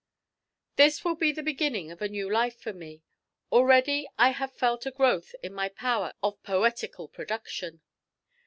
"This will be the beginning of a new life for me. Already I have felt a growth in my power of poetical production.